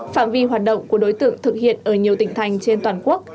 phạm vi hoạt động của đối tượng thực hiện ở nhiều tỉnh thành trên toàn quốc